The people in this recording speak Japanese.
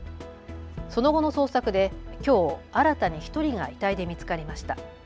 その後の捜索できょう新たに１人が遺体で見つかりました。